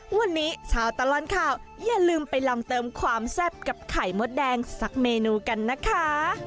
วันนี้ชาวตลอดข่าวอย่าลืมไปลองเติมความแซ่บกับไข่มดแดงสักเมนูกันนะคะ